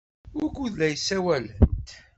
Wukud ay la ssawalent?